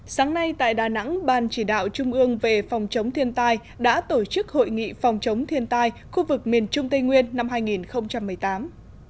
sáng nay tại đà nẵng ban chỉ đạo trung ương về phòng chống thiên tai đã tổ chức hội nghị phòng chống thiên tai khu vực miền trung tây nguyên năm hai nghìn một mươi tám